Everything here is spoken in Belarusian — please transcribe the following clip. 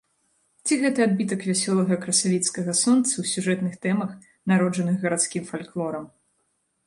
Ці гэта адбітак вясёлага красавіцкага сонца ў сюжэтных тэмах, народжаных гарадскім фальклорам?